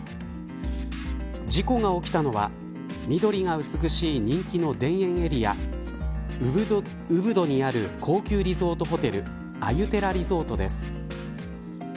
事故が起きたのは緑が美しい人気の田園エリアウブドにある高級リゾートホテルアユテラ・リゾートです。